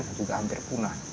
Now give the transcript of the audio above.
bahwa ini juga hampir punah